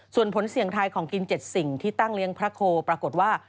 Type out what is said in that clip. ส่วนผลเสี่ยงทายของกิน๗สิ่งที่ตั้งเลี้ยงพระโคปรากฏว่า